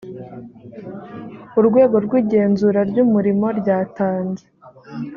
urwego rwigenzura ry’umurimo ryatanze